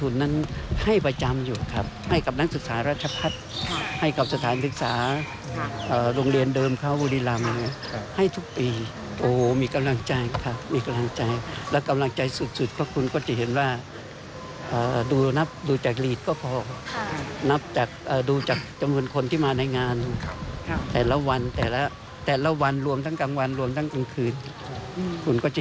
โดยเฉพาะเรื่องการศึกษารวมถึงสารต่องานเพื่อสังคมที่ลูกชายเคยทำไว้ด้วยค่ะ